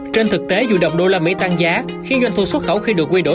trên thực tế dù đồng đô la mỹ tăng giá khiến doanh thu xuất khẩu khi được quy đổi